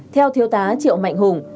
theo thiếu tá triệu mạnh hùng